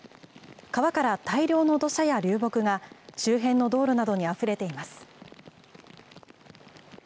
川から大量の土砂や流木が周辺の道路などにあふれています。